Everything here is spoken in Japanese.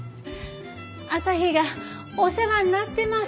朝陽がお世話になってます。